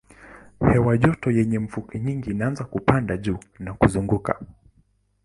Hewa joto yenye mvuke nyingi inaanza kupanda juu na kuzunguka.